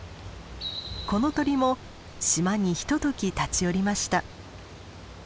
この鳥も島にひととき立ち寄りました。